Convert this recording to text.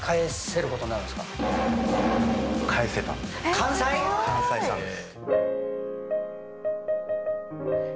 完済したんです。